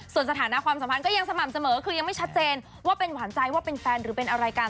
ส่วนสถานะความสัมพันธ์ก็ยังสม่ำเสมอคือยังไม่ชัดเจนว่าเป็นหวานใจว่าเป็นแฟนหรือเป็นอะไรกัน